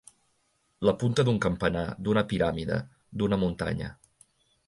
La punta d'un campanar, d'una piràmide, d'una muntanya.